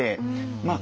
まあ